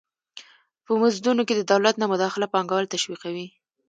په مزدونو کې د دولت نه مداخله پانګوال تشویقوي.